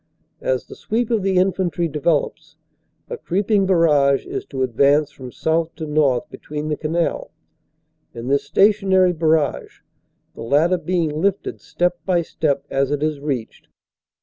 As the sweep of the infantry develops, a creeping barrage is to advance from south to north between the canal and this stationary barrage, the latter being lifted step by step as it is reached.